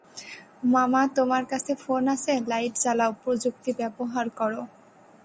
মামা, তোমার কাছে ফোন আছে, লাইট জ্বালাও, প্রযুক্তি ব্যবহার করো।